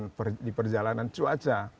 tantangan di perjalanan cuaca